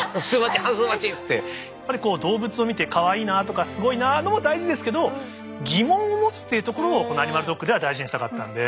動物を見てかわいいなとかすごいなも大事ですけど疑問を持つっていうところをこの「アニマルドック」では大事にしたかったんで。